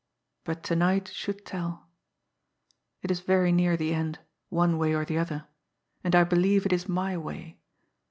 But to night should tell. It is very near the end one way or the other and I believe it is my way.